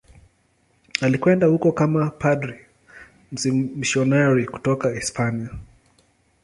Alikwenda huko kama padri mmisionari kutoka Hispania.